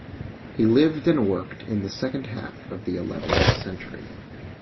He lived and worked in the second half of the eleventh century.